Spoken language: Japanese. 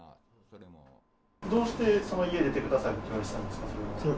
どうして家を出てくださいって言われたんですか？